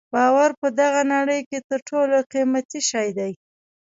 باور په دغه نړۍ کې تر ټولو قیمتي شی دی.